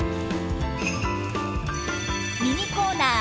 ミニコーナー